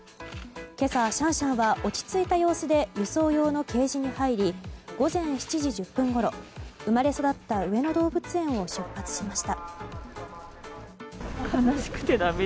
今朝、シャンシャンは落ち着いた様子で輸送用のケージに入り午前７時１０分ごろ生まれ育った上野動物園を出発しました。